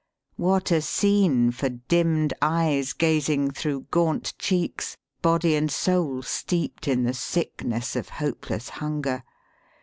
What a scene for dimmed eyes gazing through gaunt cheeks, body and soul steeped in the sickness of hopeless hunger